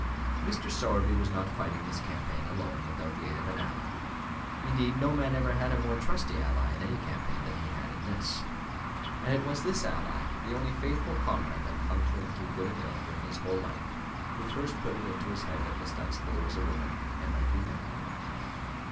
Mr. Sowerby was not fighting this campaign alone, without the aid of any ally. Indeed, no man ever had a more trusty ally in any campaign than he had in this. And it was this ally, the only faithful comrade that clung to him through good and ill during his whole life, who first put it into his head that Miss Dunstable was a woman and might be married.